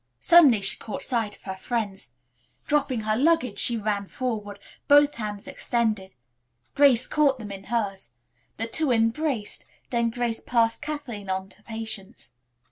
Suddenly she caught sight of her friends. Dropping her luggage she ran forward, both hands extended. Grace caught them in hers. The two embraced, then Grace passed Kathleen on to Patience.